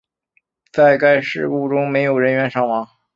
在该事故中没有人员伤亡。